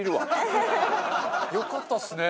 よかったっすね！